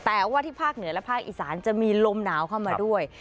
แต่ว่าที่ภาคเหนือและภาคอีสานจะมีลมหนาวเข้ามาด้วย